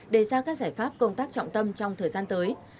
đề ra các giải pháp công tác trọng tâm trong thời gian tới